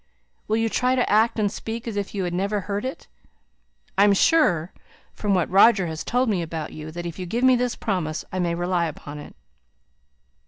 Will you try to act and speak as if you had never heard it? I'm sure, from what Roger has told me about you, that if you give me this promise I may rely upon it."